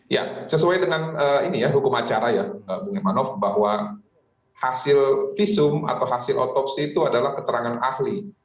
ya sesuai dengan ini ya hukum acara ya bung hermanof bahwa hasil visum atau hasil otopsi itu adalah keterangan ahli